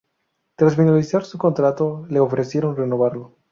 Tras finalizar su contrato, le ofrecieron renovarlo.